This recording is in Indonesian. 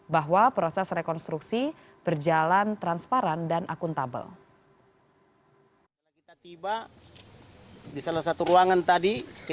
bahwa proses rekonstruksi tidak diundang